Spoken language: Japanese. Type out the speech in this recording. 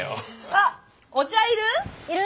あっお茶いる？